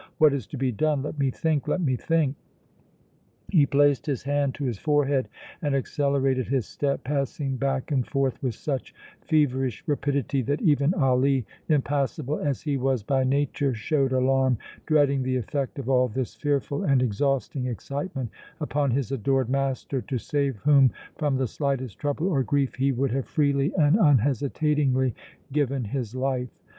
What is to be done? Let me think, let me think!" He placed his hand to his forehead and accelerated his step, passing back and forth with such feverish rapidity that even Ali, impassible as he was by nature, showed alarm, dreading the effect of all this fearful and exhausting excitement upon his adored master to save whom from the slightest trouble or grief he would have freely and unhesitatingly given his life.